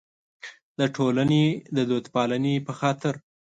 د ټولنې د دودپالنې په خاطر.